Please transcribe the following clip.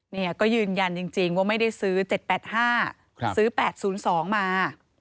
เนี่ยก็ยืนยันจริงว่าไม่ได้ซื้อ๗๘๕ซื้อ๘๐๒มา